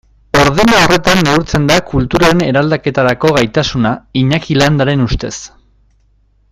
Ordena horretan neurtzen da kulturaren eraldaketarako gaitasuna Iñaki Landaren ustez.